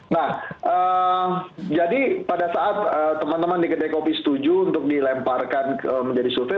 nah jadi pada saat teman teman di kedai kopi setuju untuk dilemparkan menjadi survei